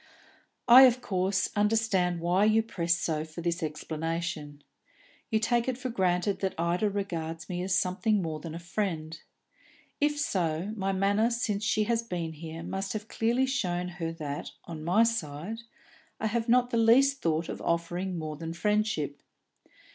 "I, of course, understand why you press so for this explanation. You take it for granted that Ida regards me as something more than a friend. If so, my manner since she has been here must have clearly shown her that, on my side, I have not the least thought of offering more than friendship.